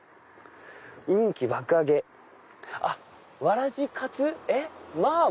「運気爆上げわらじかつ麻婆」。